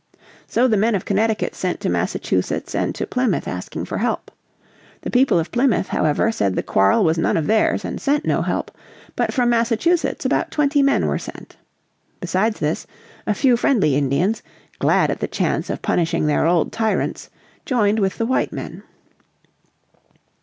So the men of Connecticut sent to Massachusetts and to Plymouth asking for help. The people of Plymouth, however, said the quarrel was none of theirs and sent no help, but from Massachusetts about twenty men were sent. Besides this, a few friendly Indians, glad at the chance of punishing their old tyrants, joined with the white men.